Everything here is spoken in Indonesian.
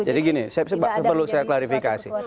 jadi gini perlu saya klarifikasi